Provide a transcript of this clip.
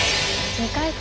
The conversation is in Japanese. ２回戦